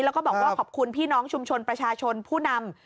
แล้วก็บอกว่าขอบคุณพี่น้องชุมชนประชาชนผู้นำ